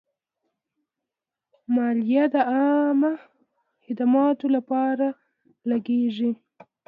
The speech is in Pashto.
مالیه د عامه خدماتو لپاره لګیږي.